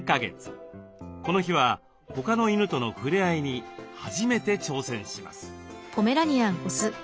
この日は他の犬との触れ合いに初めて挑戦します。